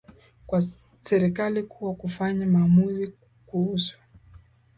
kwa serikali kuweza kufanya maamuzi kuhusu